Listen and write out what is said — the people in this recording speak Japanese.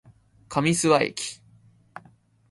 上諏訪駅